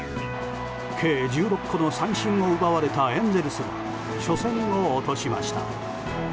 計１６個の三振を奪われたエンゼルスは初戦を落としました。